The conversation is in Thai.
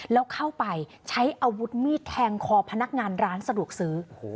แล้วเข้าไปใช้อาวุธมีดแทงคอพนักงานร้านสะดวกซื้อ